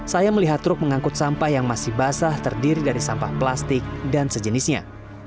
saya melihat truk mengangkut sampah yang masih basah terdiri dari sampah plastik dan sejenisnya